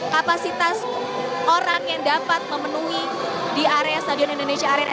kapasitas orang yang dapat memenuhi di area stadion indonesia arin